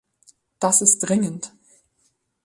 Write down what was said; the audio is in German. Das ist dringend.